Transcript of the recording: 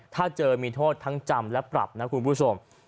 ถ้าเจอมีโทษทั้งจำและปรับนะคุณผู้ชม